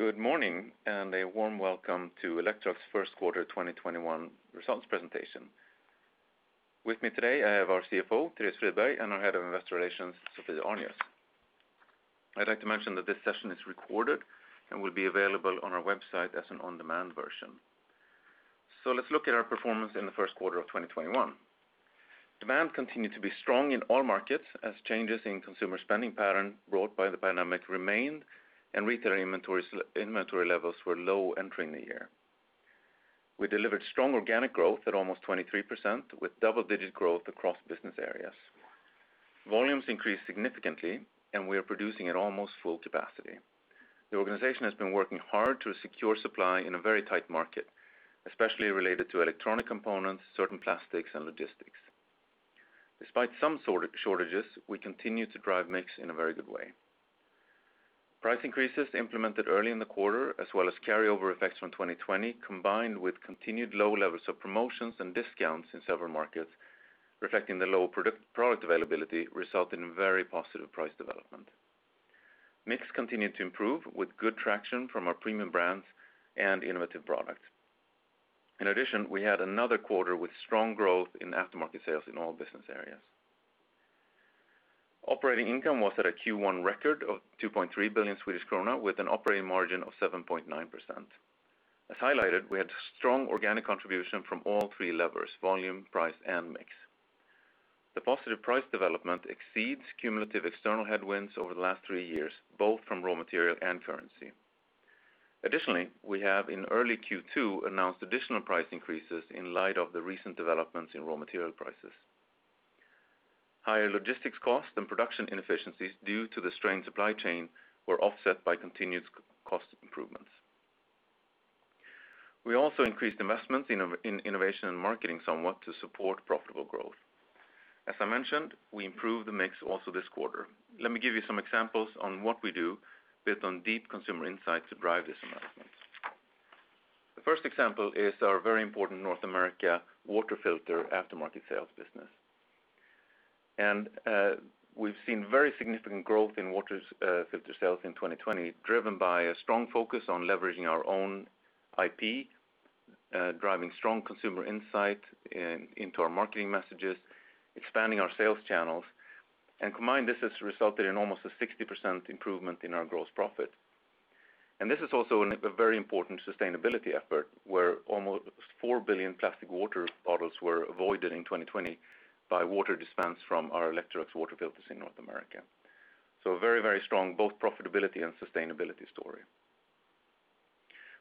Good morning, and a warm welcome to Electrolux First Quarter 2021 Results Presentation. With me today, I have our CFO, Therese Friberg, and our Head of Investor Relations, Sophie Arnius. I'd like to mention that this session is recorded and will be available on our website as an on-demand version. Let's look at our performance in the first quarter of 2021. Demand continued to be strong in all markets as changes in consumer spending pattern brought by the pandemic remained, and retail inventory levels were low entering the year. We delivered strong organic growth at almost 23%, with double-digit growth across business areas. Volumes increased significantly, and we are producing at almost full capacity. The organization has been working hard to secure supply in a very tight market, especially related to electronic components, certain plastics, and logistics. Despite some shortages, we continue to drive mix in a very good way. Price increases implemented early in the quarter, as well as carryover effects from 2020, combined with continued low levels of promotions and discounts in several markets, reflecting the low product availability, result in very positive price development. Mix continued to improve with good traction from our premium brands and innovative products. In addition, we had another quarter with strong growth in aftermarket sales in all business areas. Operating income was at a Q1 record of 2.3 billion Swedish krona with an operating margin of 7.9%. As highlighted, we had strong organic contribution from all 3 levers: volume, price, and mix. The positive price development exceeds cumulative external headwinds over the last three years, both from raw material and currency. Additionally, we have in early Q2 announced additional price increases in light of the recent developments in raw material prices. Higher logistics costs and production inefficiencies due to the strained supply chain were offset by continued cost improvements. We also increased investments in innovation and marketing somewhat to support profitable growth. As I mentioned, we improved the mix also this quarter. Let me give you some examples on what we do based on deep consumer insight to drive these investments. The first example is our very important North America water filter aftermarket sales business. We've seen very significant growth in water filter sales in 2020, driven by a strong focus on leveraging our own IP, driving strong consumer insight into our marketing messages, expanding our sales channels. Combined, this has resulted in almost a 60% improvement in our gross profit. This is also a very important sustainability effort, where almost 4 billion plastic water bottles were avoided in 2020 by water dispensed from our Electrolux water filters in North America. A very, very strong both profitability and sustainability story.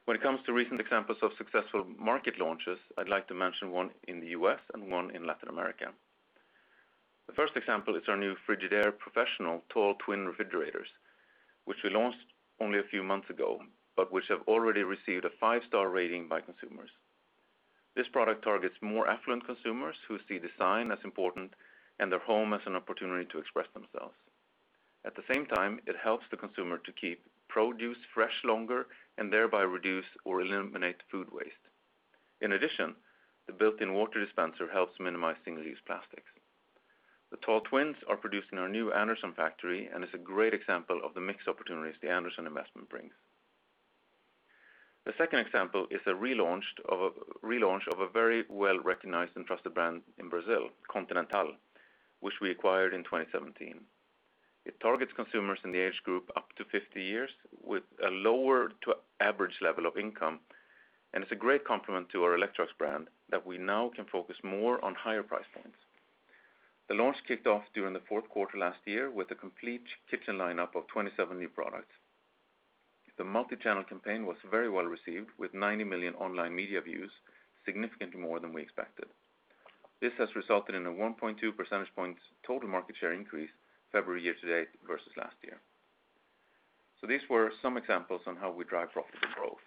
When it comes to recent examples of successful market launches, I'd like to mention one in the U.S. and one in Latin America. The first example is our new Frigidaire Professional Tall Twins Refrigerators, which we launched only a few months ago, but which have already received a five-star rating by consumers. This product targets more affluent consumers who see design as important and their home as an opportunity to express themselves. At the same time, it helps the consumer to keep produce fresh longer and thereby reduce or eliminate food waste. In addition, the built-in water dispenser helps minimize single-use plastics. The Tall Twins are produced in our new Anderson factory and is a great example of the mix opportunities the Anderson investment brings. The second example is a re-launch of a very well-recognized and trusted brand in Brazil, Continental, which we acquired in 2017. It targets consumers in the age group up to 50 years with a lower to average level of income. It's a great complement to our Electrolux brand that we now can focus more on higher price points. The launch kicked off during the fourth quarter last year with a complete kitchen lineup of 27 new products. The multi-channel campaign was very well received, with 90 million online media views, significantly more than we expected. This has resulted in a 1.2% points total market share increase February year to date versus last year. These were some examples on how we drive profitable growth.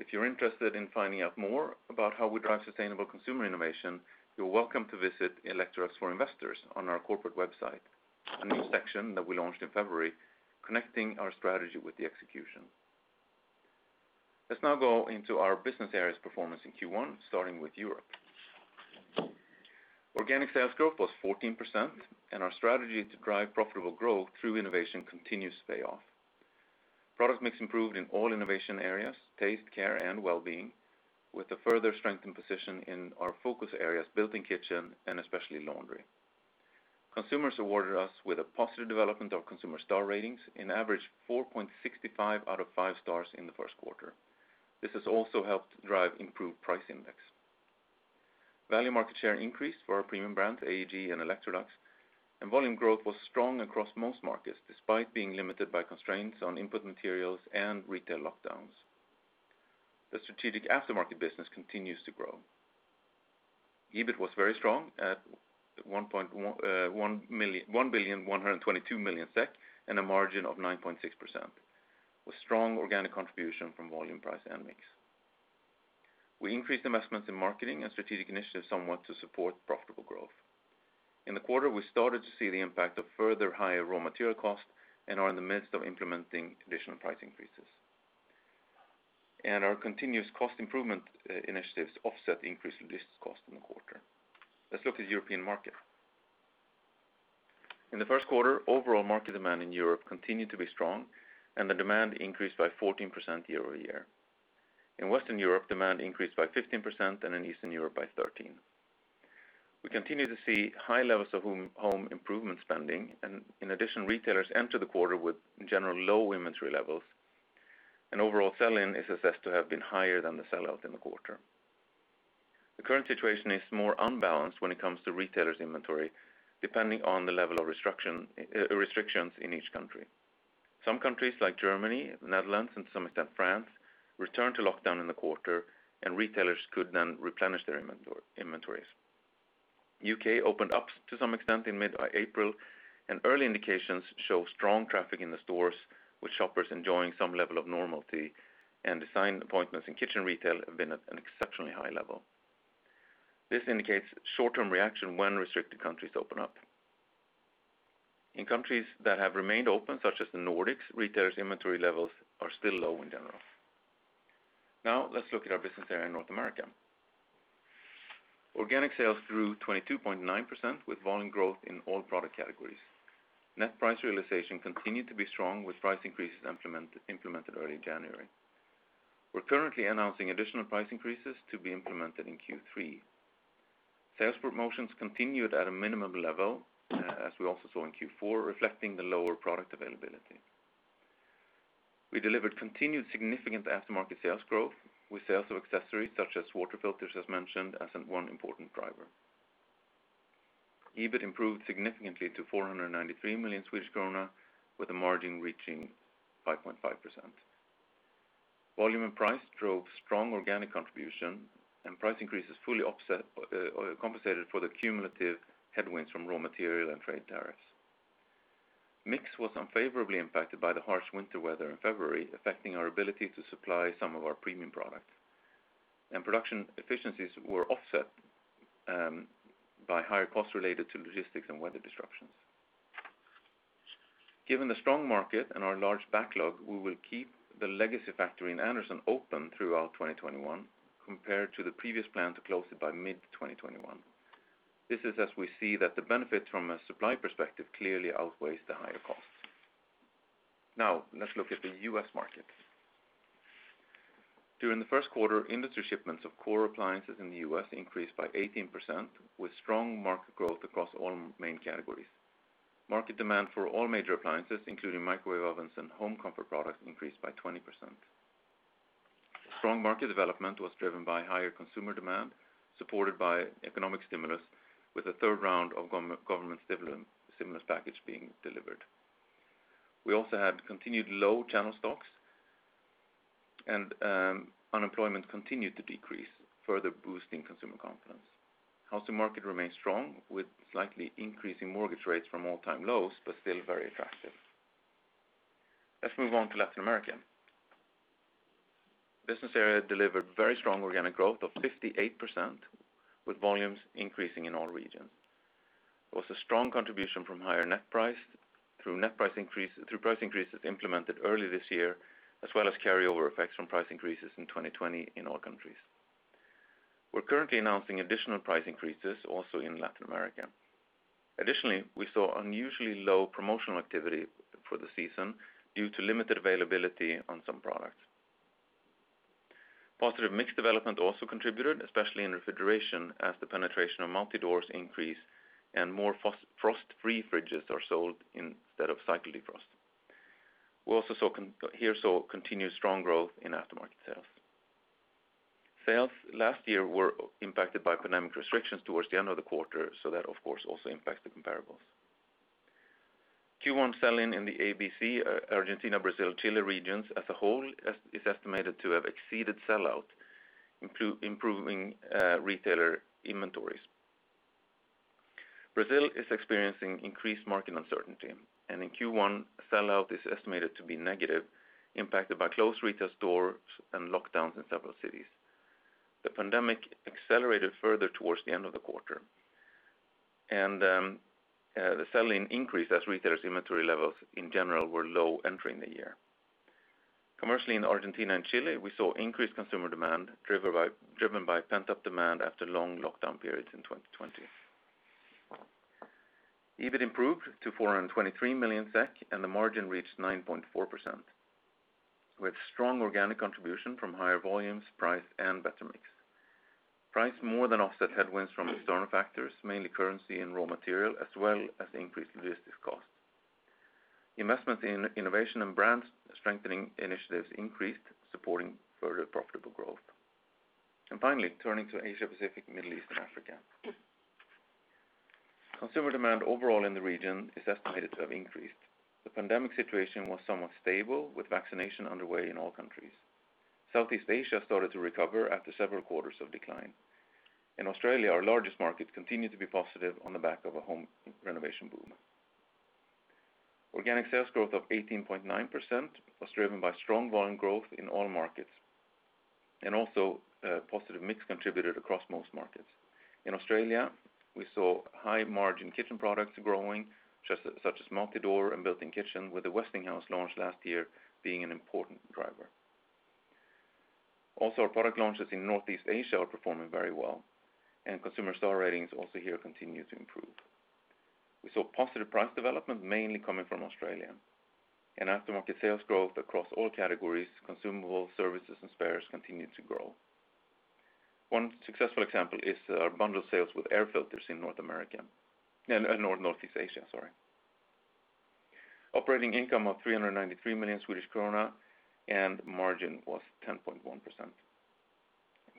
If you're interested in finding out more about how we drive sustainable consumer innovation, you're welcome to visit Electrolux for Investors on our corporate website, a new section that we launched in February, connecting our strategy with the execution. Let's now go into our business areas performance in Q1, starting with Europe. Organic sales growth was 14%, and our strategy to drive profitable growth through innovation continues to pay off. Product mix improved in all innovation areas, taste, care, and wellbeing, with a further strengthened position in our focus areas, built-in kitchen, and especially laundry. Consumers awarded us with a positive development of consumer star ratings, an average 4.65/5 stars in the first quarter. This has also helped drive improved price index. Value market share increased for our premium brands, AEG and Electrolux, and volume growth was strong across most markets, despite being limited by constraints on input materials and retail lockdowns. The strategic aftermarket business continues to grow. EBIT was very strong at 1.122 billion and a margin of 9.6%, with strong organic contribution from volume, price, and mix. We increased investments in marketing and strategic initiatives somewhat to support profitable growth. In the quarter, we started to see the impact of further higher raw material cost and are in the midst of implementing additional price increases. Our continuous cost improvement initiatives offset the increase in this cost in the quarter. Let's look at European market. In the first quarter, overall market demand in Europe continued to be strong, and the demand increased by 14% year-over-year. In Western Europe, demand increased by 15%, and in Eastern Europe by 13%. We continue to see high levels of home improvement spending, and in addition, retailers enter the quarter with general low inventory levels. Overall sell-in is assessed to have been higher than the sell-out in the quarter. The current situation is more unbalanced when it comes to retailers' inventory, depending on the level of restrictions in each country. Some countries like Germany, Netherlands, and to some extent, France, returned to lockdown in the quarter, and retailers could then replenish their inventories. U.K. opened up to some extent in mid-April, and early indications show strong traffic in the stores, with shoppers enjoying some level of normality, and design appointments in kitchen retail have been at an exceptionally high level. This indicates short-term reaction when restricted countries open up. In countries that have remained open, such as the Nordics, retailers' inventory levels are still low in general. Let's look at our business there in North America. Organic sales grew 22.9% with volume growth in all product categories. Net price realization continued to be strong with price increases implemented early in January. We're currently announcing additional price increases to be implemented in Q3. Sales promotions continued at a minimum level, as we also saw in Q4, reflecting the lower product availability. We delivered continued significant aftermarket sales growth with sales of accessories such as water filters, as mentioned, as one important driver. EBIT improved significantly to 493 million Swedish krona, with the margin reaching 5.5%. Volume and price drove strong organic contribution, price increases fully compensated for the cumulative headwinds from raw material and trade tariffs. Mix was unfavorably impacted by the harsh winter weather in February, affecting our ability to supply some of our premium products. Production efficiencies were offset by higher costs related to logistics and weather disruptions. Given the strong market and our large backlog, we will keep the legacy factory in Anderson open throughout 2021 compared to the previous plan to close it by mid-2021. This is as we see that the benefit from a supply perspective clearly outweighs the higher cost. Let's look at the U.S. market. During the first quarter, industry shipments of core appliances in the U.S. increased by 18%, with strong market growth across all main categories. Market demand for all major appliances, including microwave ovens and home comfort products, increased by 20%. Strong market development was driven by higher consumer demand, supported by economic stimulus, with a third round of government stimulus package being delivered. We also had continued low channel stocks, and unemployment continued to decrease, further boosting consumer confidence. Housing market remains strong, with slightly increasing mortgage rates from all-time lows, but still very attractive. Let's move on to Latin America. Business area delivered very strong organic growth of 58%, with volumes increasing in all regions. There was a strong contribution from higher net price through price increases implemented early this year, as well as carryover effects from price increases in 2020 in all countries. We're currently announcing additional price increases also in Latin America. Additionally, we saw unusually low promotional activity for the season due to limited availability on some products. Positive mix development also contributed, especially in refrigeration, as the penetration of multi-doors increased and more frost-free fridges are sold instead of cycle defrost. We also here saw continued strong growth in aftermarket sales. Sales last year were impacted by pandemic restrictions towards the end of the quarter. That, of course, also impacts the comparables. Q1 sell-in in the ABC, Argentina, Brazil, Chile regions as a whole, is estimated to have exceeded sell-out, improving retailer inventories. Brazil is experiencing increased market uncertainty, and in Q1, sell-out is estimated to be negative, impacted by closed retail stores and lockdowns in several cities. The pandemic accelerated further towards the end of the quarter, and the sell-in increased as retailers' inventory levels in general were low entering the year. Commercially, in Argentina and Chile, we saw increased consumer demand driven by pent-up demand after long lockdown periods in 2020. EBIT improved to 423 million SEK, and the margin reached 9.4%. We have strong organic contribution from higher volumes, price, and better mix. Price more than offset headwinds from external factors, mainly currency and raw material, as well as increased logistic costs. Investments in innovation and brands strengthening initiatives increased, supporting further profitable growth. Finally, turning to Asia Pacific, Middle East, and Africa. Consumer demand overall in the region is estimated to have increased. The pandemic situation was somewhat stable, with vaccination underway in all countries. Southeast Asia started to recover after several quarters of decline. In Australia, our largest market continued to be positive on the back of a home renovation boom. Organic sales growth of 18.9% was driven by strong volume growth in all markets. Also, positive mix contributed across most markets. In Australia, we saw high-margin kitchen products growing, such as multi-door and built-in kitchen, with the Westinghouse launch last year being an important driver. Also, our product launches in Northeast Asia are performing very well, and consumer star ratings also here continue to improve. We saw positive price development mainly coming from Australia. Aftermarket sales growth across all categories, consumable services and spares continued to grow. One successful example is our bundle sales with air filters in Northeast Asia. Operating income of 393 million Swedish krona. Margin was 10.1%.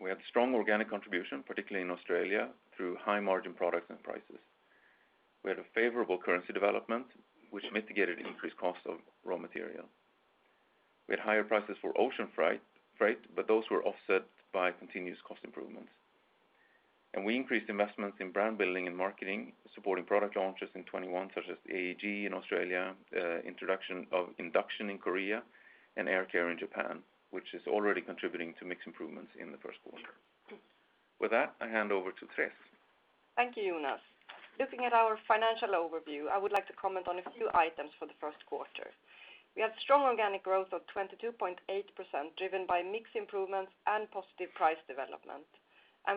We had strong organic contribution, particularly in Australia, through high-margin products and prices. We had a favorable currency development, which mitigated increased cost of raw material. We had higher prices for ocean freight, but those were offset by continuous cost improvements. We increased investments in brand building and marketing, supporting product launches in 2021, such as AEG in Australia, introduction of induction in Korea, and air care in Japan, which is already contributing to mix improvements in the first quarter. With that, I hand over to Therese. Thank you, Jonas. Looking at our financial overview, I would like to comment on a few items for the first quarter. We had strong organic growth of 22.8%, driven by mix improvements and positive price development.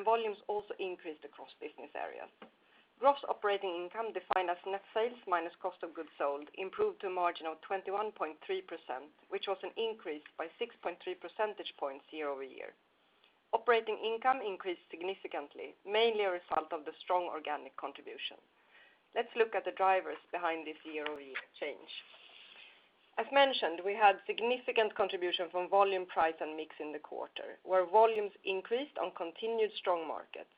Volumes also increased across business areas. Gross operating income defined as net sales minus cost of goods sold, improved to a margin of 21.3%, which was an increase by 6.3% points year-over-year. Operating income increased significantly, mainly a result of the strong organic contribution. Let's look at the drivers behind this year-over-year change. As mentioned, we had significant contribution from volume, price, and mix in the quarter, where volumes increased on continued strong markets.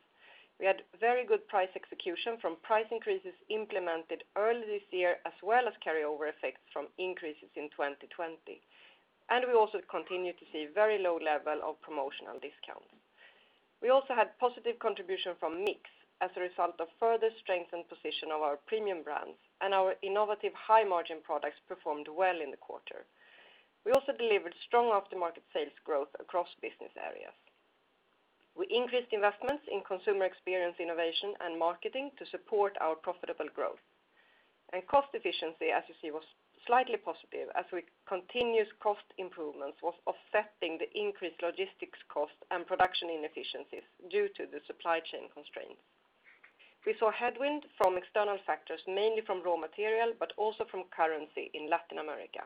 We had very good price execution from price increases implemented early this year, as well as carryover effects from increases in 2020. We also continued to see very low level of promotional discounts. We also had positive contribution from mix as a result of further strengthened position of our premium brands, and our innovative high-margin products performed well in the quarter. We also delivered strong aftermarket sales growth across business areas. We increased investments in consumer experience, innovation, and marketing to support our profitable growth. Cost efficiency, as you see, was slightly positive as continuous cost improvements was offsetting the increased logistics cost and production inefficiencies due to the supply chain constraints. We saw headwind from external factors, mainly from raw material, but also from currency in Latin America.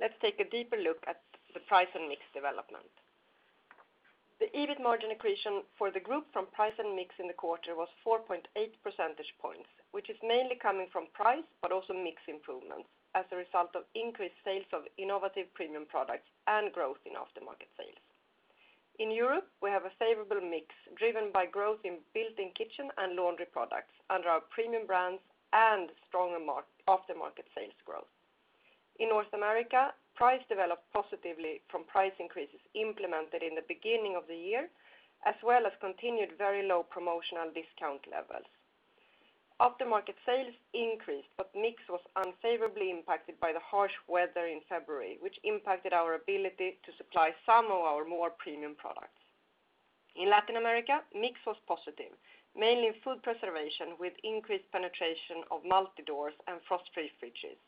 Let's take a deeper look at the price and mix development. The EBIT margin accretion for the group from price and mix in the quarter was 4.8% points, which is mainly coming from price, but also mix improvements as a result of increased sales of innovative premium products and growth in aftermarket sales. In Europe, we have a favorable mix driven by growth in built-in kitchen and laundry products under our premium brands and stronger aftermarket sales growth. In North America, price developed positively from price increases implemented in the beginning of the year, as well as continued very low promotional discount levels. Aftermarket sales increased, but mix was unfavorably impacted by the harsh weather in February, which impacted our ability to supply some of our more premium products. In Latin America, mix was positive, mainly in food preservation, with increased penetration of multi-doors and frost-free fridges.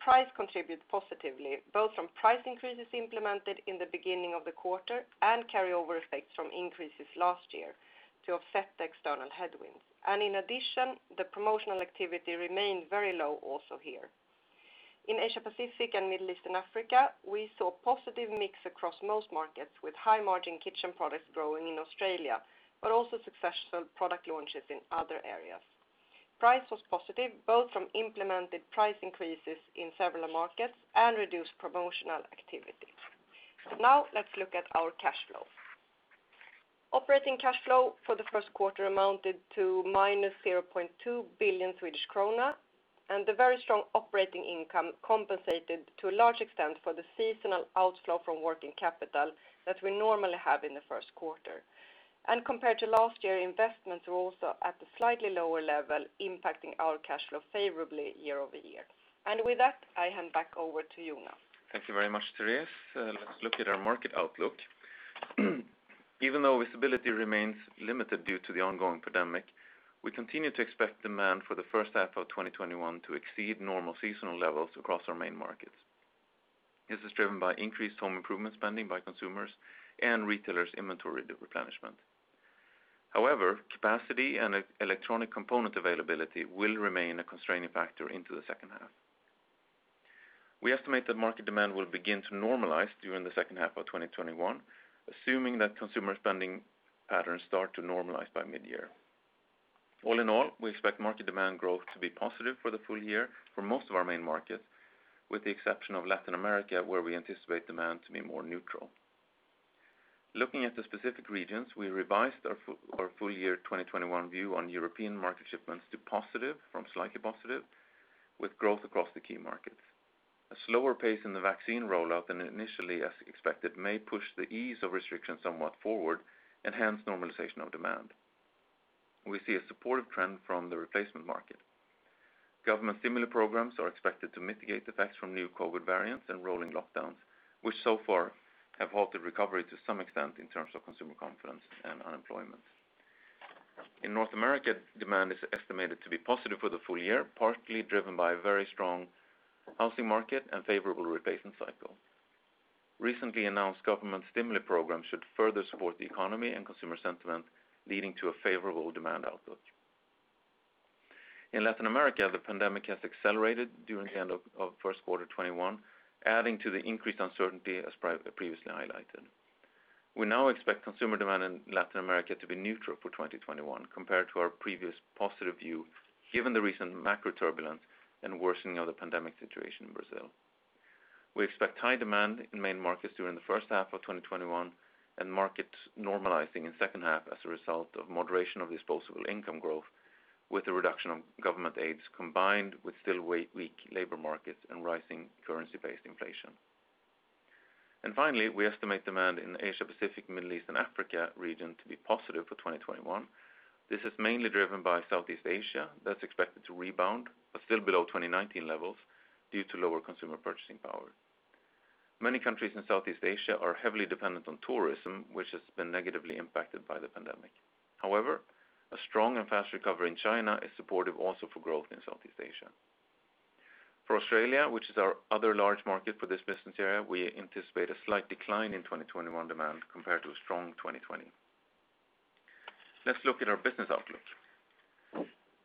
Price contributed positively, both from price increases implemented in the beginning of the quarter and carryover effects from increases last year to offset the external headwinds. In addition, the promotional activity remained very low also here. In Asia Pacific and Middle East and Africa, we saw positive mix across most markets, with high-margin kitchen products growing in Australia, but also successful product launches in other areas. Price was positive, both from implemented price increases in several markets and reduced promotional activities. Let's look at our cash flow. Operating cash flow for the first quarter amounted to -0.2 billion Swedish krona. The very strong operating income compensated to a large extent for the seasonal outflow from working capital that we normally have in the first quarter. Compared to last year, investments were also at a slightly lower level, impacting our cash flow favorably year-over-year. With that, I hand back over to Jonas. Thank you very much, Therese. Let's look at our market outlook. Even though visibility remains limited due to the ongoing pandemic, we continue to expect demand for the first half of 2021 to exceed normal seasonal levels across our main markets. This is driven by increased home improvement spending by consumers and retailers' inventory replenishment. However, capacity and electronic component availability will remain a constraining factor into the second half. We estimate that market demand will begin to normalize during the second half of 2021, assuming that consumer spending patterns start to normalize by mid-year. All in all, we expect market demand growth to be positive for the full year for most of our main markets, with the exception of Latin America, where we anticipate demand to be more neutral. Looking at the specific regions, we revised our full year 2021 view on European market shipments to positive from slightly positive, with growth across the key markets. A slower pace in the vaccine rollout than initially as expected may push the ease of restrictions somewhat forward and hence normalization of demand. We see a supportive trend from the replacement market. Government stimuli programs are expected to mitigate effects from new COVID variants and rolling lockdowns, which so far have halted recovery to some extent in terms of consumer confidence and unemployment. In North America, demand is estimated to be positive for the full year, partly driven by a very strong housing market and favorable replacement cycle. Recently announced government stimuli programs should further support the economy and consumer sentiment, leading to a favorable demand outlook. In Latin America, the pandemic has accelerated during the end of Q1 2021, adding to the increased uncertainty as previously highlighted. We now expect consumer demand in Latin America to be neutral for 2021 compared to our previous positive view, given the recent macro turbulence and worsening of the pandemic situation in Brazil. We expect high demand in main markets during the first half of 2021 and markets normalizing in second half as a result of moderation of disposable income growth, with the reduction of government aids, combined with still weak labor markets and rising currency-based inflation. Finally, we estimate demand in Asia Pacific, Middle East, and Africa region to be positive for 2021. This is mainly driven by Southeast Asia, that's expected to rebound, but still below 2019 levels due to lower consumer purchasing power. Many countries in Southeast Asia are heavily dependent on tourism, which has been negatively impacted by the pandemic. A strong and fast recovery in China is supportive also for growth in Southeast Asia. For Australia, which is our other large market for this business area, we anticipate a slight decline in 2021 demand compared to a strong 2020. Let's look at our business outlook.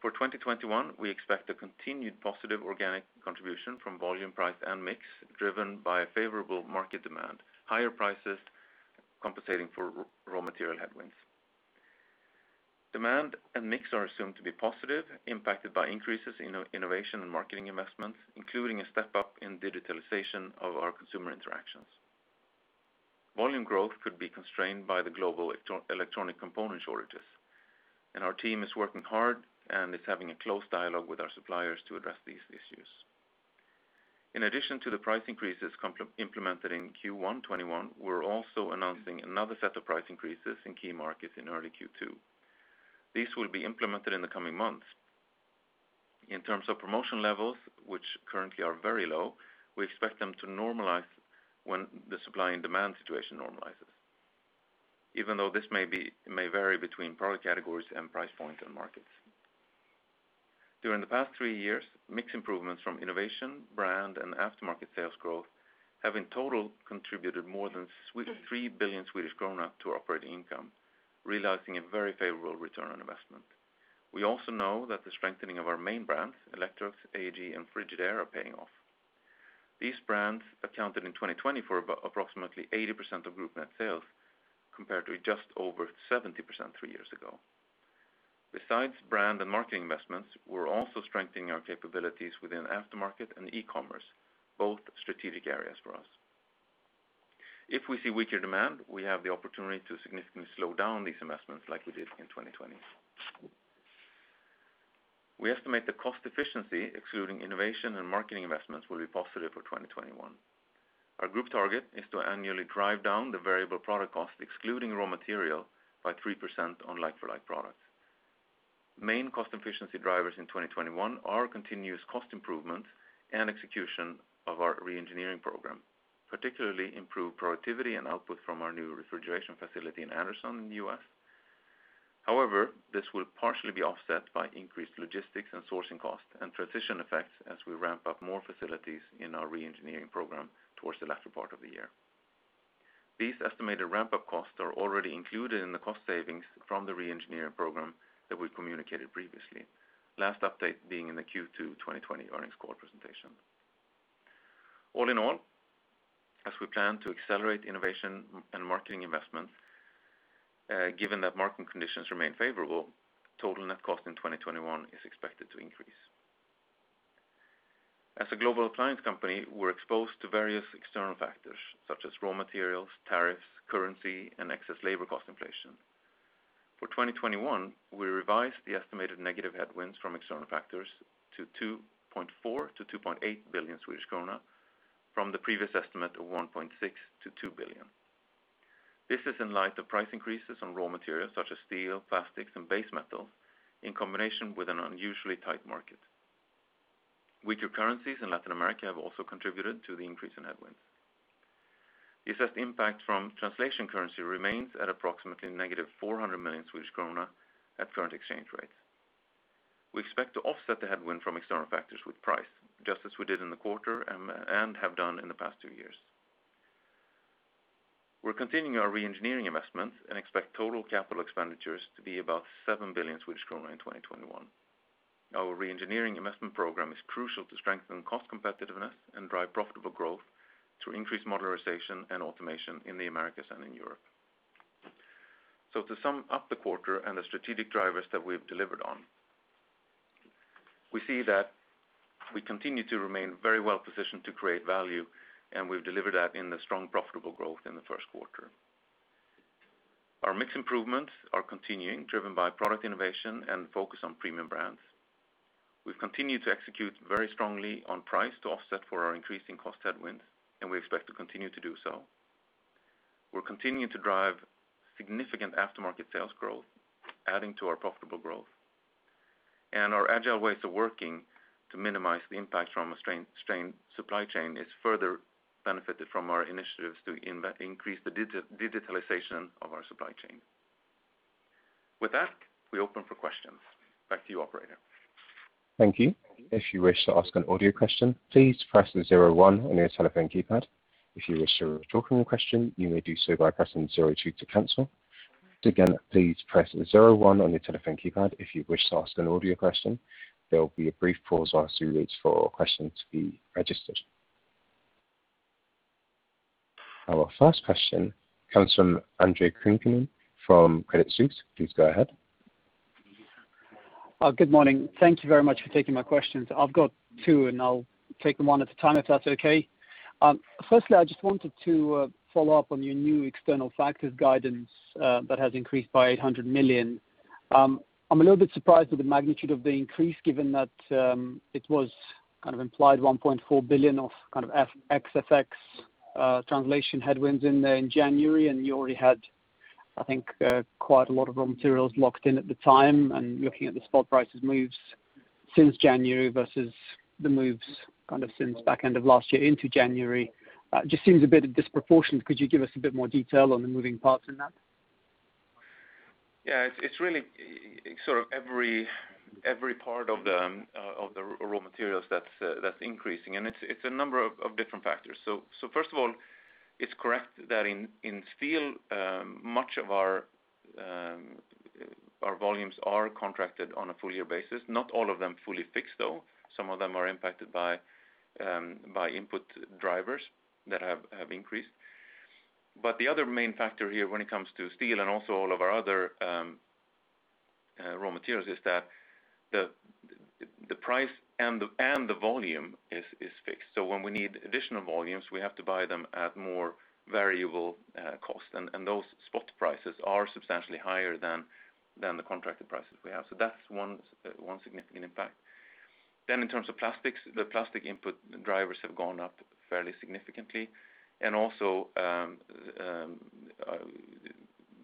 For 2021, we expect a continued positive organic contribution from volume, price, and mix, driven by a favorable market demand, higher prices compensating for raw material headwinds. Demand and mix are assumed to be positive, impacted by increases in innovation and marketing investments, including a step-up in digitalization of our consumer interactions. Volume growth could be constrained by the global electronic component shortages, and our team is working hard and is having a close dialogue with our suppliers to address these issues. In addition to the price increases implemented in Q1 2021, we're also announcing another set of price increases in key markets in early Q2. These will be implemented in the coming months. In terms of promotion levels, which currently are very low, we expect them to normalize when the supply and demand situation normalizes. Even though this may vary between product categories and price points and markets. During the past three years, mix improvements from innovation, brand, and aftermarket sales growth have in total contributed more than 3 billion Swedish kronor to operating income, realizing a very favorable ROI. We also know that the strengthening of our main brands, Electrolux, AEG, and Frigidaire, are paying off. These brands accounted in 2020 for approximately 80% of group net sales, compared to just over 70% three years ago. Besides brand and marketing investments, we're also strengthening our capabilities within aftermarket and e-commerce, both strategic areas for us. If we see weaker demand, we have the opportunity to significantly slow down these investments like we did in 2020. We estimate the cost efficiency, excluding innovation and marketing investments, will be positive for 2021. Our group target is to annually drive down the variable product cost, excluding raw material, by 3% on like-for-like products. Main cost efficiency drivers in 2021 are continuous cost improvements and execution of our re-engineering program, particularly improved productivity and output from our new refrigeration facility in Anderson in the U.S. However, this will partially be offset by increased logistics and sourcing costs and transition effects as we ramp up more facilities in our re-engineering program towards the latter part of the year. These estimated ramp-up costs are already included in the cost savings from the re-engineering program that we communicated previously. Last update being in the Q2 2020 earnings call presentation. All in all, as we plan to accelerate innovation and marketing investments, given that marketing conditions remain favorable, total net cost in 2021 is expected to increase. As a global appliance company, we're exposed to various external factors, such as raw materials, tariffs, currency, and excess labor cost inflation. For 2021, we revised the estimated negative headwinds from external factors to 2.4 billion-2.8 billion Swedish krona from the previous estimate of 1.6 billion-2 billion. This is in light of price increases on raw materials such as steel, plastics, and base metals, in combination with an unusually tight market. Weaker currencies in Latin America have also contributed to the increase in headwinds. The assessed impact from translation currency remains at approximately negative 400 million Swedish krona at current exchange rates. We expect to offset the headwind from external factors with price, just as we did in the quarter, and have done in the past two years. We're continuing our re-engineering investments and expect total capital expenditures to be about 7 billion Swedish kronor in 2021. Our re-engineering investment program is crucial to strengthen cost competitiveness and drive profitable growth through increased modularization and automation in the Americas and in Europe. To sum up the quarter and the strategic drivers that we've delivered on, we see that we continue to remain very well positioned to create value, and we've delivered that in the strong profitable growth in the first quarter. Our mix improvements are continuing, driven by product innovation and focus on premium brands. We've continued to execute very strongly on price to offset for our increasing cost headwinds, and we expect to continue to do so. We're continuing to drive significant aftermarket sales growth, adding to our profitable growth, and our agile ways of working to minimize the impact from a strained supply chain is further benefited from our initiatives to increase the digitalization of our supply chain. With that, we open for questions. Back to you, operator. Thank you. If you wish to ask an audio question, please press zero one on your telephone keypad. If you wish to ask a written question, you may do so by pressing zero two to cancel. Once again, please press zero one on your telephone keypad if you wish to ask an audio question. There will be a brief pause while we compile these for the question to be registered. Our first question comes from Andre Kukhnin from Credit Suisse. Please go ahead. Good morning. Thank you very much for taking my questions. I've got two, I'll take them one at a time if that's okay. Firstly, I just wanted to follow up on your new external factors guidance that has increased by 800 million. I'm a little bit surprised with the magnitude of the increase given that it was implied 1.4 billion of FX translation headwinds in there in January, you already had, I think, quite a lot of raw materials locked in at the time. Looking at the spot prices moves since January versus the moves since back end of last year into January, it just seems a bit disproportionate. Could you give us a bit more detail on the moving parts in that? Yeah, it's really every part of the raw materials that's increasing, and it's a number of different factors. First of all, it's correct that in steel, much of our volumes are contracted on a full year basis. Not all of them fully fixed, though. Some of them are impacted by input drivers that have increased. The other main factor here when it comes to steel and also all of our other raw materials, is that the price and the volume is fixed. When we need additional volumes, we have to buy them at more variable cost, and those spot prices are substantially higher than the contracted prices we have. That's one significant impact. In terms of plastics, the plastic input drivers have gone up fairly significantly, and also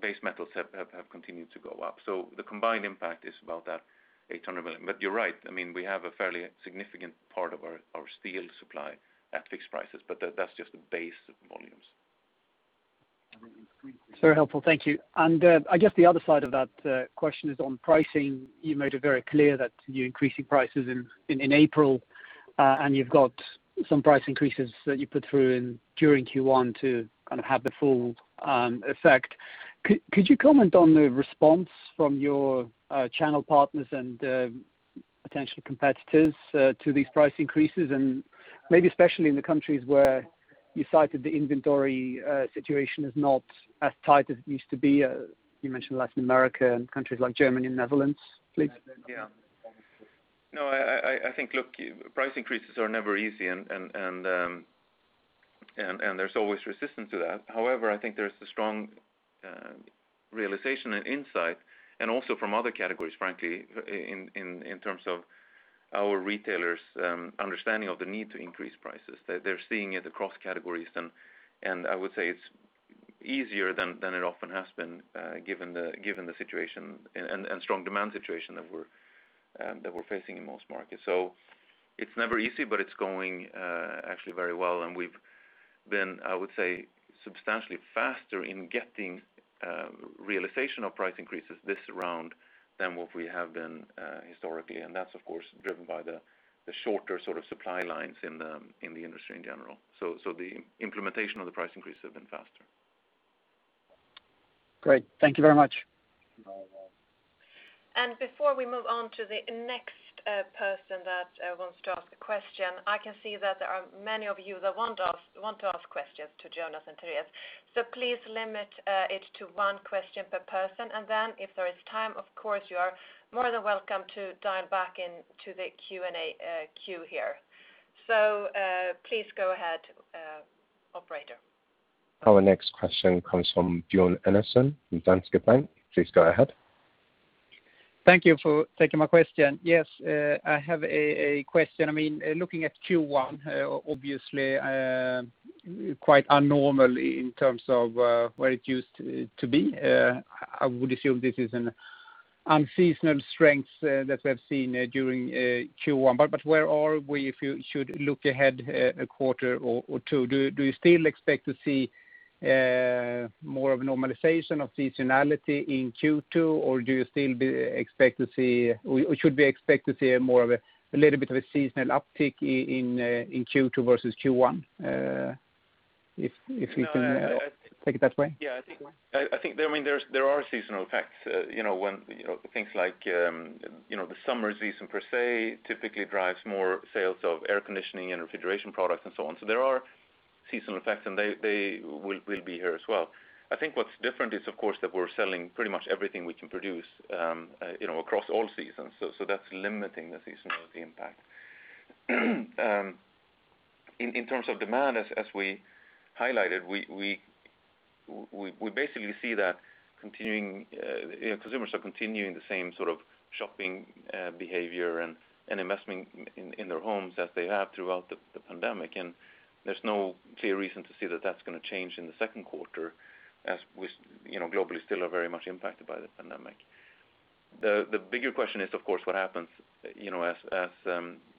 base metals have continued to go up. The combined impact is about that 800 million. You're right, we have a fairly significant part of our steel supply at fixed prices, but that's just the base volumes. Very helpful. Thank you. I guess the other side of that question is on pricing. You made it very clear that you're increasing prices in April, and you've got some price increases that you put through during Q1 to have the full effect. Could you comment on the response from your channel partners and potential competitors to these price increases, and maybe especially in the countries where you cited the inventory situation is not as tight as it used to be? You mentioned Latin America and countries like Germany and Netherlands, please. No, I think price increases are never easy, and there's always resistance to that. However, I think there's a strong realization and insight, and also from other categories, frankly, in terms of our retailers' understanding of the need to increase prices. They're seeing it across categories, and I would say it's easier than it often has been given the situation and strong demand situation that we're facing in most markets. It's never easy, but it's going actually very well, and we've been substantially faster in getting realization of price increases this round than what we have been historically, and that's, of course, driven by the shorter supply lines in the industry in general. The implementation of the price increase has been faster. Great. Thank you very much. You are welcome. Before we move on to the next person that wants to ask a question, I can see that there are many of you that want to ask questions to Jonas and Therese. Please limit it to one question per person, and then if there is time, of course, you are more than welcome to dial back into the Q&A queue here. Please go ahead, operator. Our next question comes from Björn Enarson from Danske Bank. Please go ahead. Thank you for taking my question. Yes, I have a question. Looking at Q1, obviously quite unnormal in terms of where it used to be. I would assume this is an unseasonal strength that we have seen during Q1. Where are we if you should look ahead a quarter or two? Do you still expect to see more of normalization of seasonality in Q2, or should we expect to see more of a little bit of a seasonal uptick in Q2 versus Q1? If you can take it that way. Yeah, I think there are seasonal effects. Things like the summer season per se typically drives more sales of air conditioning and refrigeration products and so on. There are seasonal effects, and they will be here as well. I think what's different is, of course, that we're selling pretty much everything we can produce across all seasons, so that's limiting the seasonality impact. In terms of demand, as we highlighted, we basically see that consumers are continuing the same sort of shopping behavior and investment in their homes as they have throughout the pandemic, and there's no clear reason to see that that's going to change in the second quarter, as we globally still are very much impacted by the pandemic. The bigger question is of course, what happens as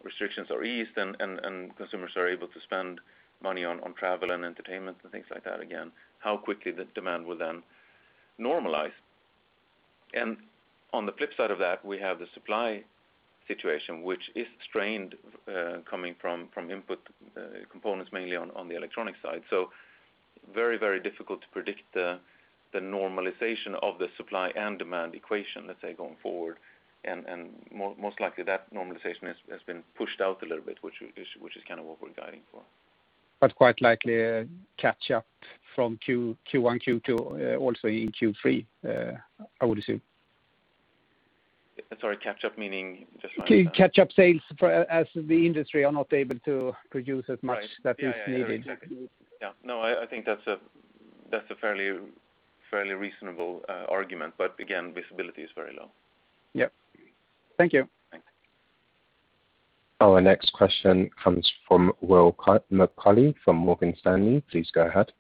restrictions are eased and consumers are able to spend money on travel and entertainment and things like that again, how quickly the demand will then normalize. On the flip side of that, we have the supply situation, which is strained, coming from input components mainly on the electronic side. Very difficult to predict the normalization of the supply and demand equation, let's say, going forward. Most likely that normalization has been pushed out a little bit, which is what we're guiding for. Quite likely a catch-up from Q1, Q2, also in Q3, I would assume. Sorry, catch-up meaning? Just remind me. Catch-up sales as the industry are not able to produce as much that is needed. Right. Yeah, exactly. No, I think that's a fairly reasonable argument. Again, visibility is very low. Yep. Thank you. Thanks. Our next question comes from Will Macaulay from Morgan Stanley. Please go ahead.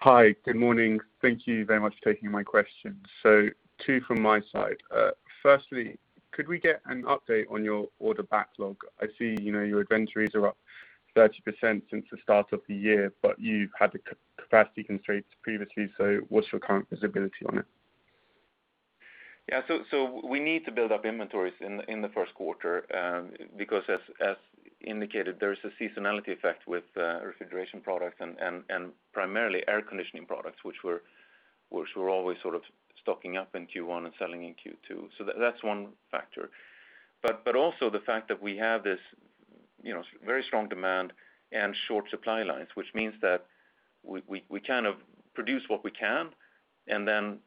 Hi. Good morning. Thank you very much for taking my question. Two from my side. Firstly, could we get an update on your order backlog? I see your inventories are up 30% since the start of the year. You've had the capacity constraints previously. What's your current visibility on it? We need to build up inventories in the first quarter, because as indicated, there is a seasonality effect with refrigeration products and primarily air conditioning products, which we're always sort of stocking up in Q1 and selling in Q2. That's one factor. Also the fact that we have this very strong demand and short supply lines, which means that we kind of produce what we can and then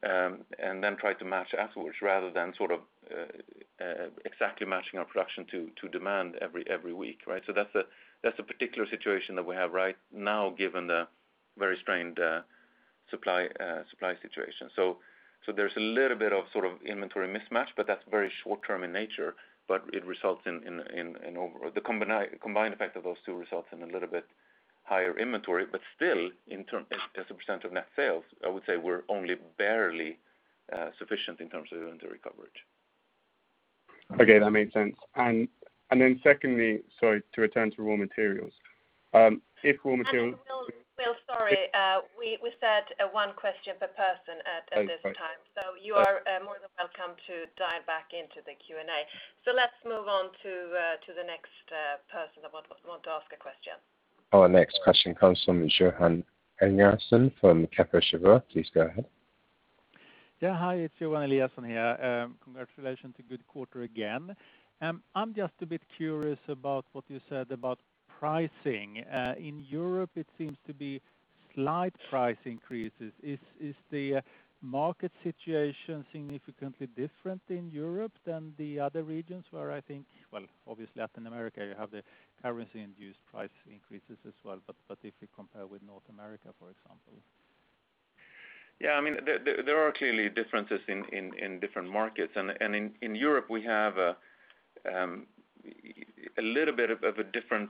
try to match afterwards, rather than sort of exactly matching our production to demand every week, right. That's a particular situation that we have right now given the very strained supply situation. There's a little bit of inventory mismatch, but that's very short-term in nature. The combined effect of those two results in a little bit higher inventory, but still as a percentage of net sales, I would say we're only barely sufficient in terms of inventory coverage. Okay, that makes sense. Secondly, sorry to return to raw materials. Will, sorry. We said one question per person at this time. Sorry. You are more than welcome to dive back into the Q&A. Let's move on to the next person that want to ask a question. Our next question comes from Johan Eliason from Kepler Cheuvreux. Please go ahead. Yeah. Hi, it's Johan Eliason here. Congratulations to good quarter again. I'm just a bit curious about what you said about pricing. In Europe, it seems to be slight price increases. Is the market situation significantly different in Europe than the other regions? Well, obviously Latin America, you have the currency induced price increases as well. If you compare with North America, for example. Yeah, there are clearly differences in different markets. In Europe, we have a little bit of a different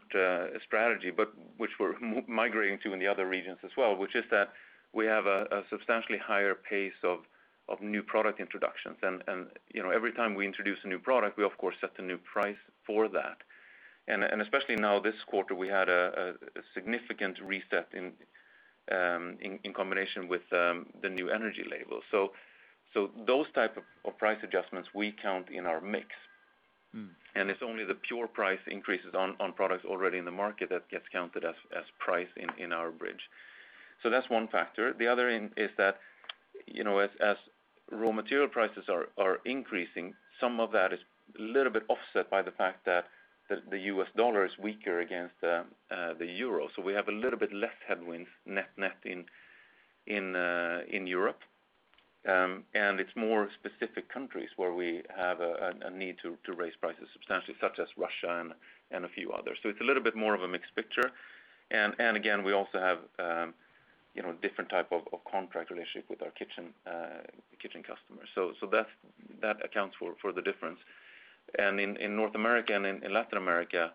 strategy, but which we're migrating to in the other regions as well, which is that we have a substantially higher pace of new product introductions. Every time we introduce a new product, we of course set a new price for that. Especially now this quarter, we had a significant reset in combination with the new energy label. Those type of price adjustments we count in our mix. It's only the pure price increases on products already in the market that gets counted as price in our bridge. That's one factor. The other is that, as raw material prices are increasing, some of that is a little bit offset by the fact that the U.S. dollar is weaker against the EUR. We have a little bit less headwinds net in Europe. It's more specific countries where we have a need to raise prices substantially, such as Russia and a few others. It's a little bit more of a mixed picture. Again, we also have different type of contract relationship with our kitchen customers. That accounts for the difference. In North America and in Latin America,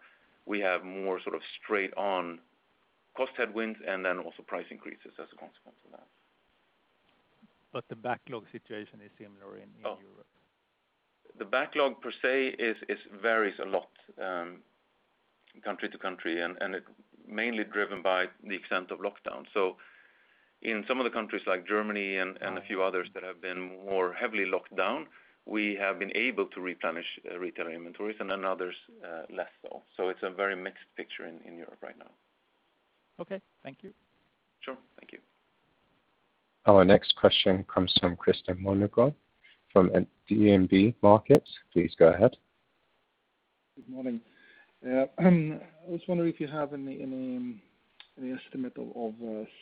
we have more sort of straight on cost headwinds, and then also price increases as a consequence of that. The backlog situation is similar in Europe? The backlog per se, it varies a lot country to country, and it mainly driven by the extent of lockdown. In some of the countries like Germany and a few others that have been more heavily locked down, we have been able to replenish retail inventories, and then others less so. It's a very mixed picture in Europe right now. Okay. Thank you. Sure. Thank you. Our next question comes from Christer Magnergård from DNB Markets. Please go ahead. Good morning. I was wondering if you have any estimate of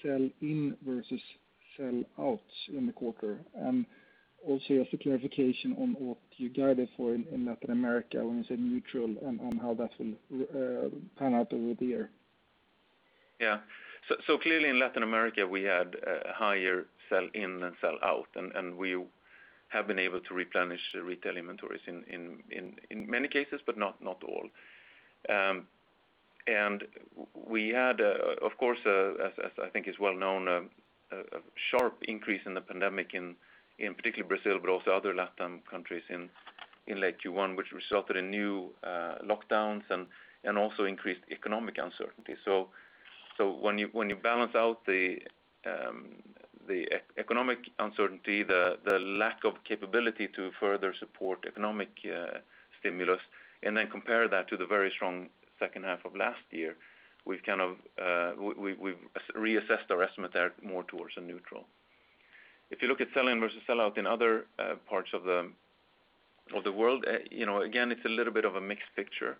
sell in versus sell outs in the quarter, and also just a clarification on what you guided for in Latin America when you said neutral and on how that will pan out over the year? Yeah. Clearly in Latin America, we had a higher sell in than sell out, and we have been able to replenish the retail inventories in many cases, but not all. We had, of course, as I think is well known, a sharp increase in the pandemic in particularly Brazil, but also other Latin countries in late Q1, which resulted in new lockdowns and also increased economic uncertainty. When you balance out the economic uncertainty, the lack of capability to further support economic stimulus, and then compare that to the very strong second half of last year, we've re-assessed our estimate there more towards a neutral. If you look at sell-in versus sell-out in other parts of the world, again, it's a little bit of a mixed picture,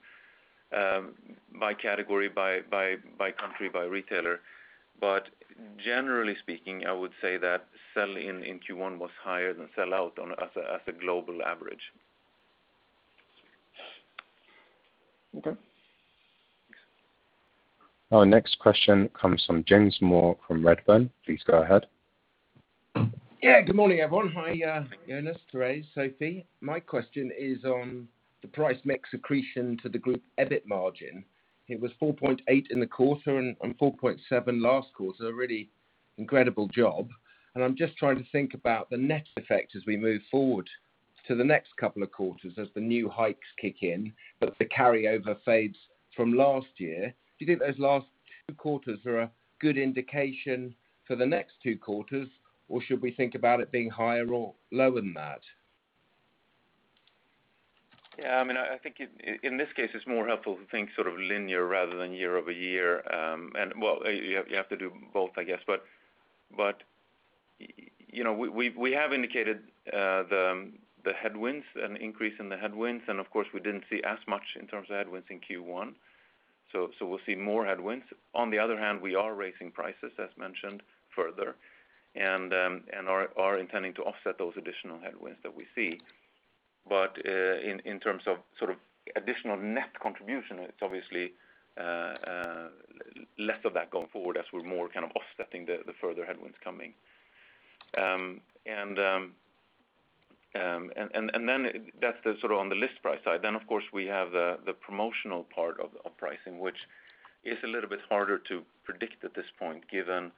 by category, by country, by retailer. Generally speaking, I would say that sell-in in Q1 was higher than sell-out as a global average. Okay. Our next question comes from James Moore from Redburn. Please go ahead. Good morning, everyone. Hi, Jonas, Therese, Sophie. My question is on the price mix accretion to the group EBIT margin. It was 4.8 in the quarter and 4.7 last quarter, a really incredible job. I'm just trying to think about the net effect as we move forward to the next couple of quarters as the new hikes kick in, but the carryover fades from last year. Do you think those last two quarters are a good indication for the next two quarters, or should we think about it being higher or lower than that? I think in this case, it's more helpful to think linear rather than year-over-year. You have to do both, I guess, we have indicated the headwinds, an increase in the headwinds, and of course, we didn't see as much in terms of headwinds in Q1. We'll see more headwinds. On the other hand, we are raising prices, as mentioned, further, and are intending to offset those additional headwinds that we see. In terms of additional net contribution, it's obviously less of that going forward as we're more offsetting the further headwinds coming. That's the on the list price side. Of course, we have the promotional part of pricing, which is a little bit harder to predict at this point, given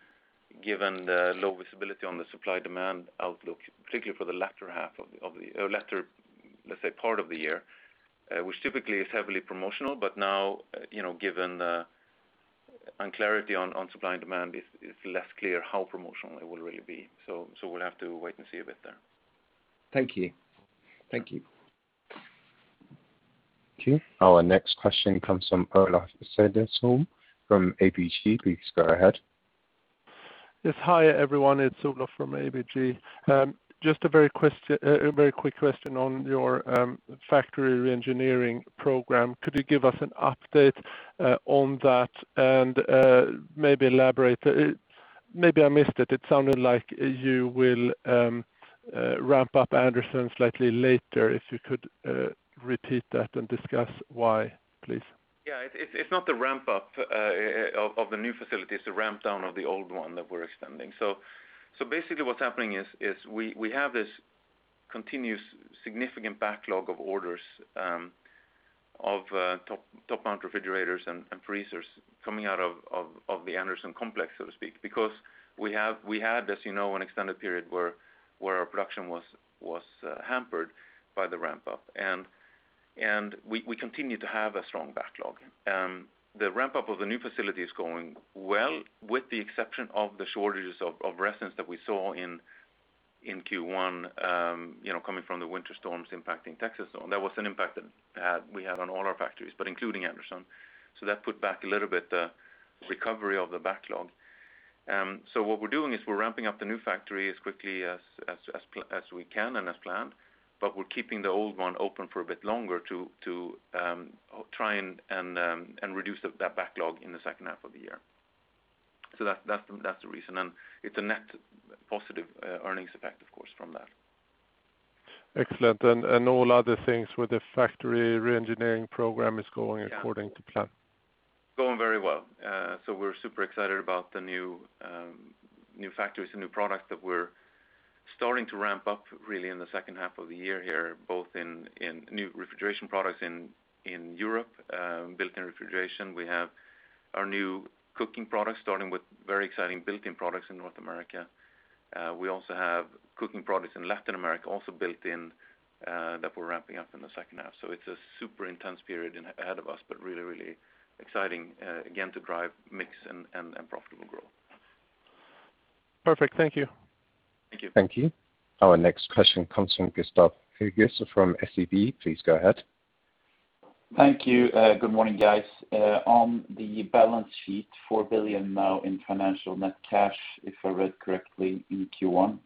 the low visibility on the supply-demand outlook, particularly for the latter, let's say, part of the year which typically is heavily promotional. Now, given unclarity on supply and demand, it's less clear how promotional it will really be. We'll have to wait and see a bit there. Thank you. Okay. Our next question comes from Olof Cederholm from ABG. Please go ahead. Yes, hi, everyone. It's Olof from ABG. A very quick question on your factory re-engineering program. Could you give us an update on that and maybe elaborate? Maybe I missed it. It sounded like you will ramp up Anderson slightly later. If you could repeat that and discuss why, please. Yeah. It's not the ramp up of the new facilities, it's the ramp down of the old one that we're extending. Basically what's happening is we have this continuous significant backlog of orders of top mount refrigerators and freezers coming out of the Anderson complex, so to speak, because we had, as you know, an extended period where our production was hampered by the ramp up, and we continue to have a strong backlog. The ramp up of the new facility is going well, with the exception of the shortages of resins that we saw in Q1 coming from the winter storms impacting Texas. That was an impact that we had on all our factories, but including Anderson. That put back a little bit the recovery of the backlog. What we're doing is we're ramping up the new factory as quickly as we can and as planned, but we're keeping the old one open for a bit longer to try and reduce that backlog in the second half of the year. That's the reason, and it's a net positive earnings effect, of course, from that. Excellent. All other things with the factory re-engineering program is going according to plan? Going very well. We're super excited about the new factories and new products that we're starting to ramp up really in the second half of the year here, both in new refrigeration products in Europe, built-in refrigeration. We have our new cooking products starting with very exciting built-in products in North America. We also have cooking products in Latin America, also built in, that we're ramping up in the second half. It's a super intense period ahead of us, but really, really exciting, again, to drive mix and profitable growth. Perfect. Thank you. Thank you. Thank you. Our next question comes from Gustav Hagéus from SEB. Please go ahead. Thank you. Good morning, guys. On the balance sheet, 4 billion now in financial net cash, if I read correctly in Q1.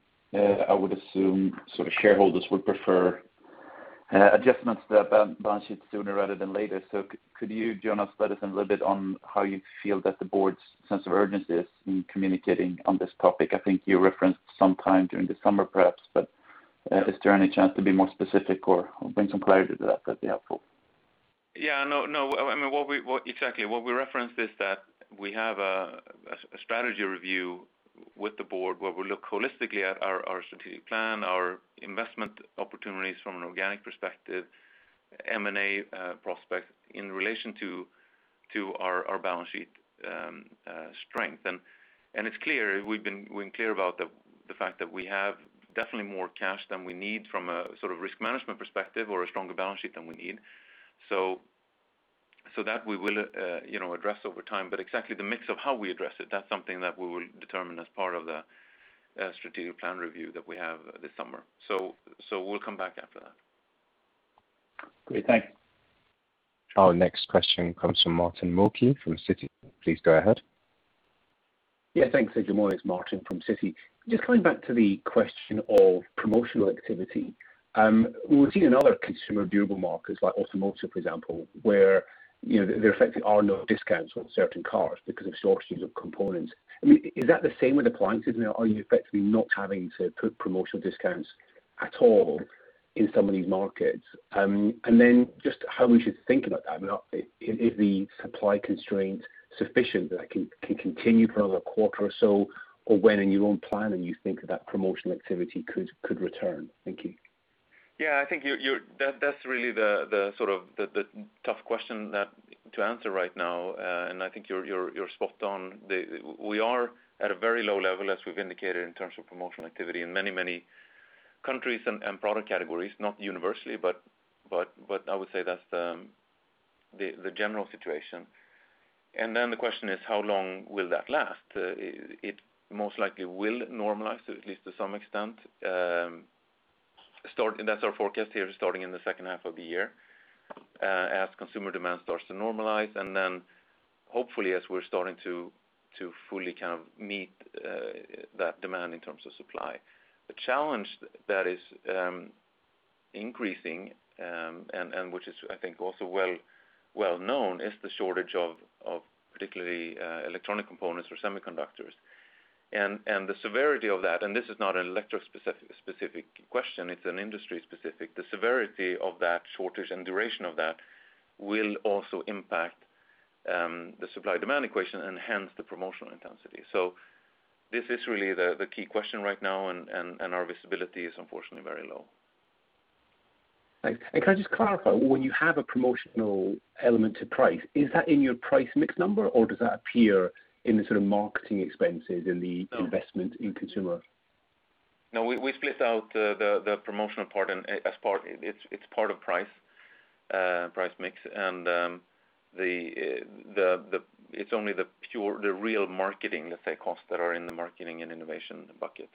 I would assume shareholders would prefer adjustments to the balance sheet sooner rather than later. Could you, Jonas, let us in a little bit on how you feel that the board's sense of urgency is in communicating on this topic? I think you referenced sometime during the summer perhaps, but is there any chance to be more specific or bring some clarity to that? That'd be helpful. Yeah. Exactly. What we referenced is that we have a strategy review with the board, where we look holistically at our strategic plan, our investment opportunities from an organic perspective, M&A prospects in relation to our balance sheet strength. It's clear, we've been clear about the fact that we have definitely more cash than we need from a risk management perspective or a stronger balance sheet than we need. That we will address over time. Exactly the mix of how we address it, that's something that we will determine as part of the strategic plan review that we have this summer. We'll come back after that. Great. Thanks. Our next question comes from Martin Wilkie from Citi. Please go ahead. Yeah, thanks. Good morning. It's Martin from Citi. Just coming back to the question of promotional activity. We've seen in other consumer durable markets, like automotive, for example, where there effectively are no discounts on certain cars because of shortages of components. Is that the same with appliances now? Are you effectively not having to put promotional discounts at all in some of these markets? Just how we should think about that. Is the supply constraint sufficient that can continue for another quarter or so? When in your own planning, you think that promotional activity could return? Thank you. Yeah. I think that's really the tough question to answer right now, and I think you're spot on. We are at a very low level, as we've indicated, in terms of promotional activity in many, many countries and product categories. Not universally, but I would say that's the general situation. The question is, how long will that last? It most likely will normalize, at least to some extent. That's our forecast here, starting in the second half of the year as consumer demand starts to normalize, and then hopefully as we're starting to fully meet that demand in terms of supply. The challenge that is increasing, and which is, I think, also well known, is the shortage of particularly electronic components or semiconductors. The severity of that, and this is not an Electrolux specific question, it's an industry specific. The severity of that shortage and duration of that will also impact the supply-demand equation and hence the promotional intensity. This is really the key question right now, and our visibility is unfortunately very low. Thanks. Can I just clarify, when you have a promotional element to price, is that in your price mix number, or does that appear in the marketing expenses in the investment in consumer? No. We split out the promotional part, it's part of price mix, and it's only the real marketing, let's say, costs that are in the marketing and innovation bucket.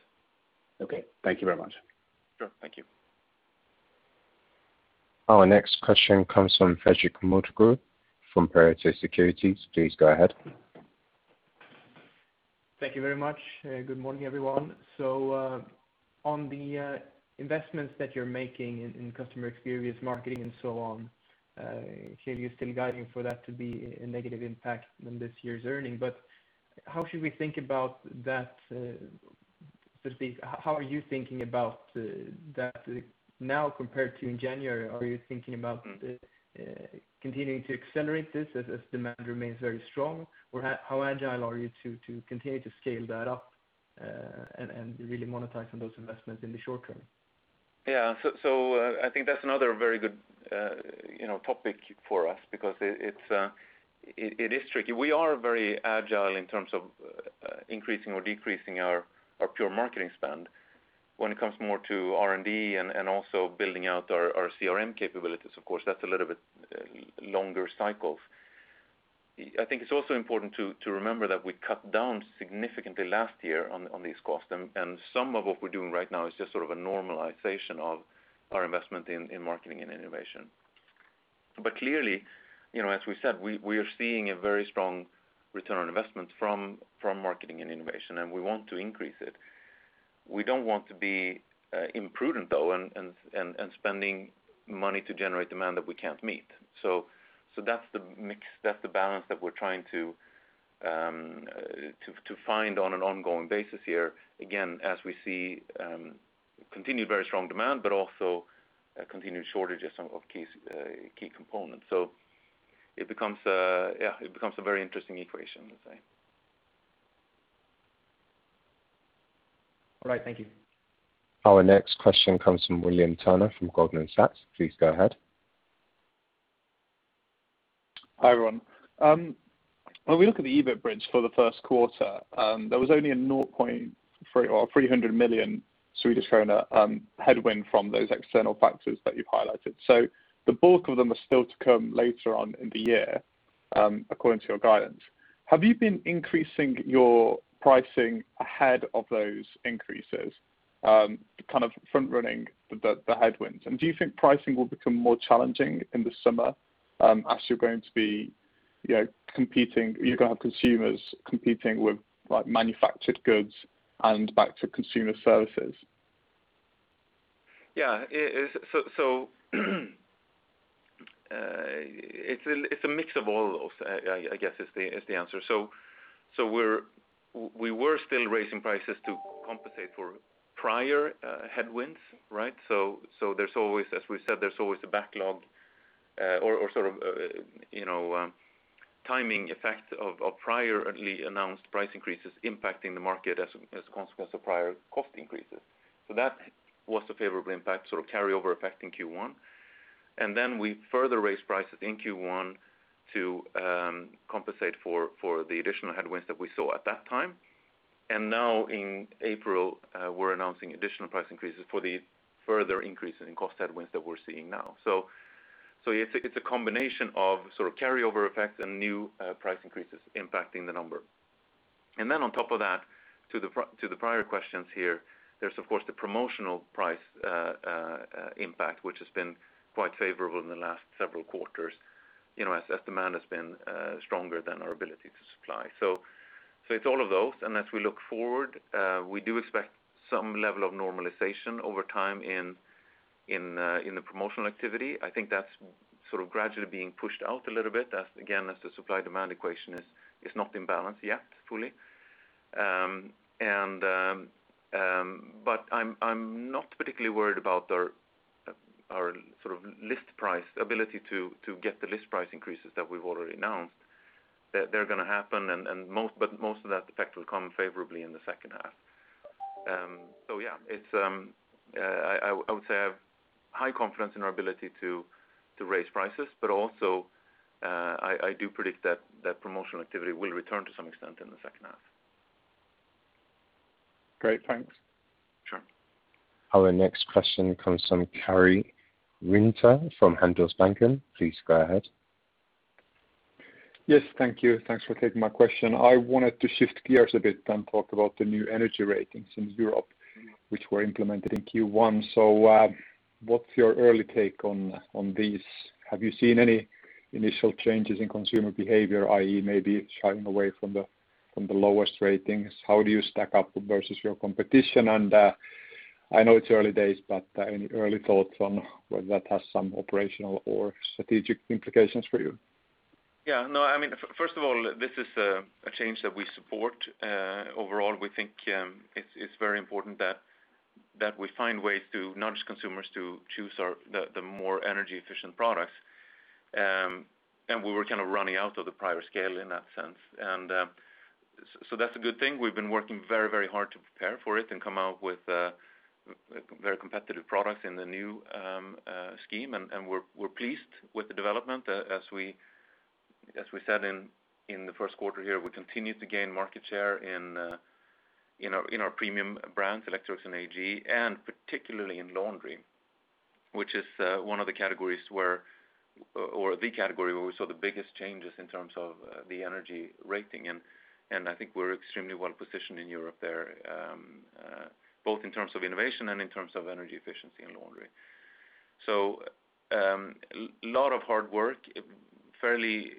Okay. Thank you very much. Sure. Thank you. Our next question comes from Fredrik Morgard from Pareto Securities. Please go ahead. Thank you very much. Good morning, everyone. On the investments that you're making in customer experience marketing and so on, clearly you're still guiding for that to be a negative impact on this year's earnings. How should we think about that, so to speak, how are you thinking about that now compared to in January? Are you thinking about continuing to accelerate this as demand remains very strong? How agile are you to continue to scale that up, and really monetize on those investments in the short term? Yeah. I think that's another very good topic for us because it is tricky. We are very agile in terms of increasing or decreasing our pure marketing spend. When it comes more to R&D and also building out our CRM capabilities, of course, that's a little bit longer cycles. I think it's also important to remember that we cut down significantly last year on these costs, and some of what we're doing right now is just a normalization of our investment in marketing and innovation. Clearly, as we said, we are seeing a very strong return on investment from marketing and innovation, and we want to increase it. We don't want to be imprudent, though, and spending money to generate demand that we can't meet. That's the balance that we're trying to find on an ongoing basis here, again, as we see continued very strong demand, but also continued shortages of key components. It becomes a very interesting equation, let's say. All right. Thank you. Our next question comes from William Turner from Goldman Sachs. Please go ahead. Hi, everyone. When we look at the EBIT bridge for the first quarter, there was only a 300 million Swedish krona headwind from those external factors that you've highlighted. The bulk of them are still to come later on in the year, according to your guidance. Have you been increasing your pricing ahead of those increases, kind of front running the headwinds? Do you think pricing will become more challenging in the summer as you're going to have consumers competing with manufactured goods and back to consumer services? Yeah. It's a mix of all of, I guess, is the answer. We were still raising prices to compensate for prior headwinds, right? As we said, there's always a backlog or timing effect of priorly announced price increases impacting the market as a consequence of prior cost increases. That was the favorable impact, carryover effect in Q1. We further raised prices in Q1 to compensate for the additional headwinds that we saw at that time. Now in April, we're announcing additional price increases for the further increases in cost headwinds that we're seeing now. It's a combination of carryover effect and new price increases impacting the number. On top of that, to the prior questions here, there's of course the promotional price impact, which has been quite favorable in the last several quarters, as demand has been stronger than our ability to supply. It's all of those, and as we look forward, we do expect some level of normalization over time in the promotional activity. I think that's gradually being pushed out a little bit, again, as the supply-demand equation is not in balance yet fully. I'm not particularly worried about our list price ability to get the list price increases that we've already announced. They're going to happen, but most of that effect will come favorably in the second half. Yeah, I would say I have high confidence in our ability to raise prices, but also, I do predict that promotional activity will return to some extent in the second half. Great. Thanks. Sure. Our next question comes from Karri Rinta from Handelsbanken. Please go ahead. Yes. Thank you. Thanks for taking my question. I wanted to shift gears a bit and talk about the new energy ratings in Europe, which were implemented in Q1. What's your early take on these? Have you seen any initial changes in consumer behavior, i.e., maybe shying away from the lowest ratings? How do you stack up versus your competition? I know it's early days, but any early thoughts on whether that has some operational or strategic implications for you? Yeah. First of all, this is a change that we support. Overall, we think it's very important that we find ways to nudge consumers to choose the more energy-efficient products. We were kind of running out of the prior scale in that sense. That's a good thing. We've been working very, very hard to prepare for it and come out with very competitive products in the new scheme, and we're pleased with the development. As we said in the first quarter here, we continued to gain market share in our premium brands, Electrolux and AEG, and particularly in laundry, which is one of the categories where, or the category where we saw the biggest changes in terms of the energy rating. I think we're extremely well-positioned in Europe there, both in terms of innovation and in terms of energy efficiency in laundry. A lot of hard work, fairly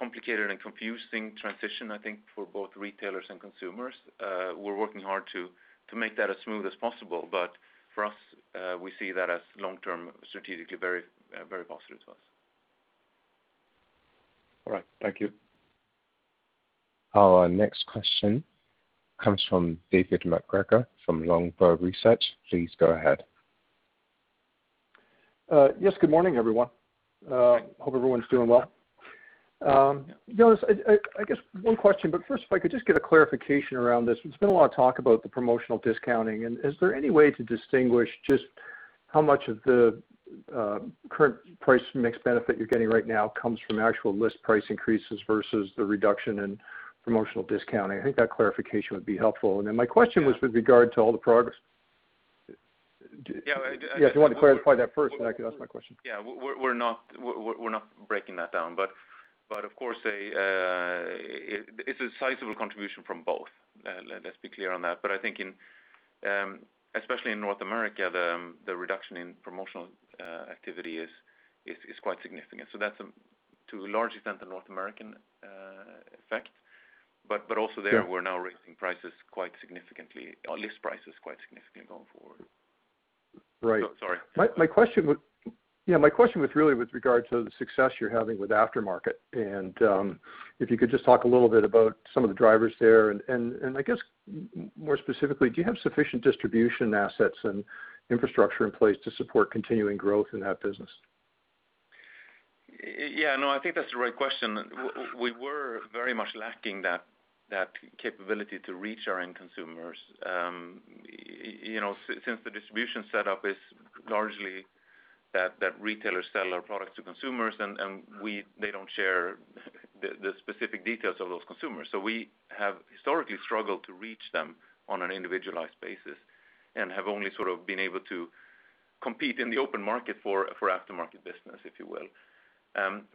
complicated and confusing transition, I think, for both retailers and consumers. We're working hard to make that as smooth as possible. For us, we see that as long-term strategically very positive to us. All right. Thank you. Our next question comes from David MacGregor from Longbow Research. Please go ahead. Yes, good morning, everyone. Hope everyone's doing well. Jonas, I guess one question, but first, if I could just get a clarification around this. There's been a lot of talk about the promotional discounting. Is there any way to distinguish just how much of the current price mix benefit you're getting right now comes from actual list price increases versus the reduction in promotional discounting? I think that clarification would be helpful. My question was with regard to all the progress Yeah. If you want to clarify that first, then I can ask my question. Yeah. We're not breaking that down. Of course, it's a sizable contribution from both. Let's be clear on that. I think especially in North America, the reduction in promotional activity is quite significant. That's to a large extent the North American effect. Sure. We're now raising our list prices quite significantly going forward. Right. Sorry. My question was really with regard to the success you're having with aftermarket, and if you could just talk a little bit about some of the drivers there, and I guess more specifically, do you have sufficient distribution assets and infrastructure in place to support continuing growth in that business? I think that's the right question. We were very much lacking that capability to reach our end consumers. The distribution setup is largely that retailers sell our products to consumers, and they don't share the specific details of those consumers. We have historically struggled to reach them on an individualized basis, and have only sort of been able to compete in the open market for aftermarket business, if you will.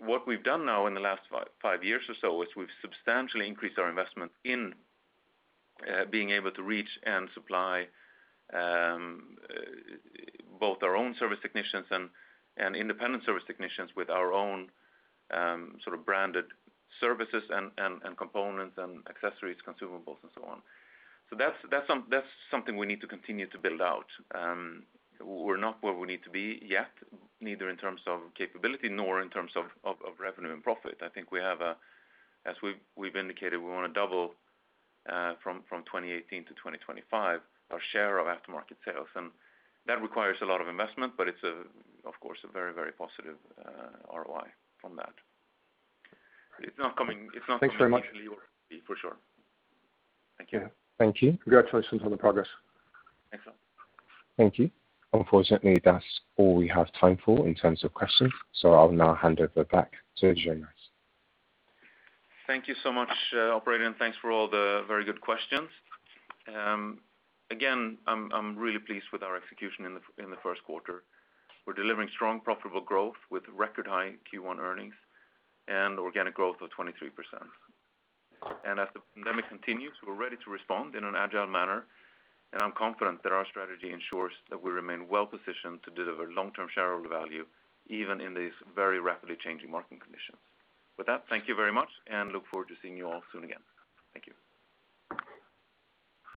What we've done now in the last five years or so is we've substantially increased our investment in being able to reach and supply both our own service technicians and independent service technicians with our own branded services and components and accessories, consumables, and so on. That's something we need to continue to build out. We're not where we need to be yet, neither in terms of capability nor in terms of revenue and profit. I think as we've indicated, we want to double from 2018 to 2025 our share of aftermarket sales. That requires a lot of investment, but it's of course a very, very positive ROI from that. Thanks very much. Easily or quickly, for sure. Thank you. Thank you. Congratulations on the progress. Thanks. Thank you. Unfortunately, that's all we have time for in terms of questions, so I'll now hand it back to Jonas. Thank you so much, operator. Thanks for all the very good questions. Again, I'm really pleased with our execution in the first quarter. We're delivering strong profitable growth with record high Q1 earnings and organic growth of 23%. As the pandemic continues, we're ready to respond in an agile manner, and I'm confident that our strategy ensures that we remain well-positioned to deliver long-term shareholder value, even in these very rapidly changing market conditions. With that, thank you very much. Look forward to seeing you all soon again. Thank you.